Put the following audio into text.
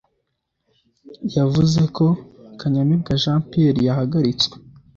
yavuze ko Kanyamibwa Jean Pierre yahagaritswe